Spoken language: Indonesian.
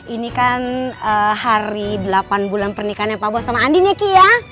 ini kan hari delapan bulan pernikahannya pak bos sama andin ya ki ya